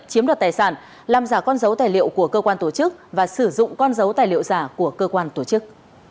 chiếm đoạt tài sản làm giả con dấu tài liệu của cơ quan tổ chức và sử dụng con dấu tài liệu giả của cơ quan tổ chức